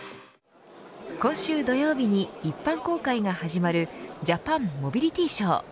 今週土曜日に一般公開が始まるジャパンモビリティショー。